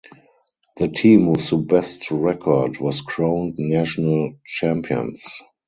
The team with the best record was crowned national champions.